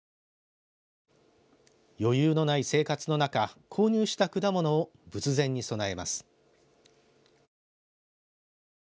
余裕のない生活の中、購入した果物を、仏前に供えます。